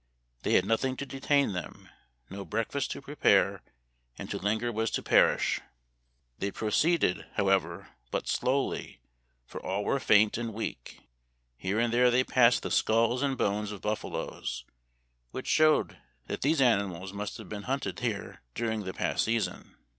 They had nothing to detain them, no breakfast to prepare, and to linger was to perish. They proceeded, how ever, but slowly, for all were faint and weak. Here and there they passed the skulls and bones of buffaloes, which showed that these animals must have been hunted here during the past season.